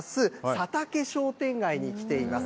佐竹商店街に来ています。